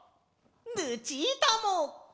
ルチータも！